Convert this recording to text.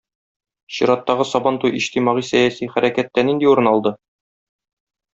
Чираттагы Сабантуй иҗтимагый-сәяси хәрәкәттә нинди урын алды?